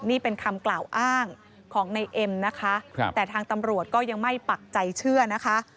นี่เป็นคำกล่าวอ้างของในเอ็มนะคะแต่ทางตำรวจก็ยังไม่ปักใจเชื่อนะคะ